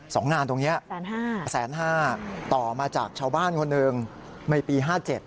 สองนานตรงนี้แสนห้าต่อมาจากชาวบ้านคนหนึ่งไม่ปี๕๗